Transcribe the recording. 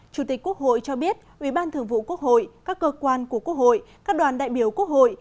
chủ tịch quốc hội cho biết ubthqh các cơ quan của quốc hội các đoàn đại biểu quốc hội